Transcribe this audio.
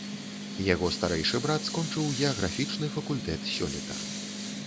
Яго старэйшы брат скончыў геаграфічны факультэт сёлета.